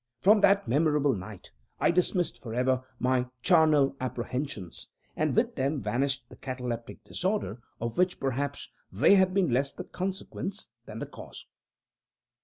From that memorable night, I dismissed forever my charnel apprehensions, and with them vanished the cataleptic disorder, of which, perhaps, they had been less the consequence than the cause.